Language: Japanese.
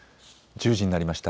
１０時になりました。